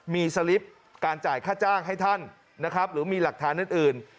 มีสลิปการจ่ายค่าจ้างให้ท่านนะครับหรือมีหลักฐานอื่น